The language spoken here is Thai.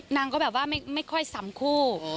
นางก็แบบว่าไม่ค่อยซ้ำคู่